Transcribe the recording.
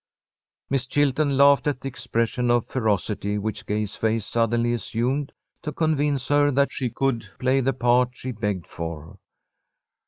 Miss Chilton laughed at the expression of ferocity which Gay's face suddenly assumed to convince her that she could play the part she begged for.